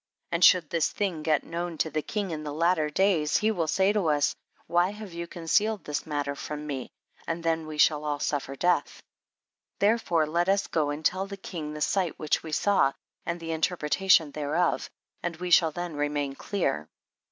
And should this thing get known to the king in the latter days, he will say to us, why have you con cealed this matter from me, and then we shall all suffer death ; therefore, now let us go and tell the king the sight which we saw, and the inter pretation thereof, and we shall tlien remain clear.